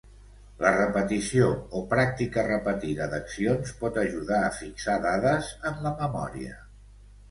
La repetició o pràctica repetida d'accions pot ajudar a fixar dades en la memòria.